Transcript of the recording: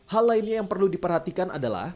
hal lainnya yang perlu diperhatikan adalah